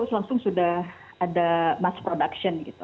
langsung sudah ada mass production gitu